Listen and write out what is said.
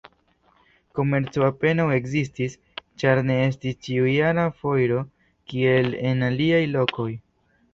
Komerco apenaŭ ekzistis, ĉar ne estis ĉiujara foiro, kiel en aliaj lokoj.